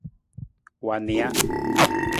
Wa nija.